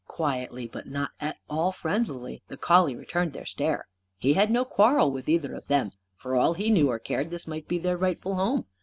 Quietly, but not at all friendlily, the collie returned their stare. He had no quarrel with either of them. For all he knew or cared, this might be their rightful home.